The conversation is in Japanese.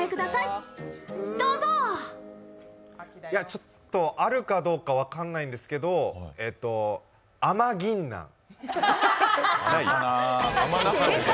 ちょっと、あるかどうか分かんないんですけど、甘ぎんなん。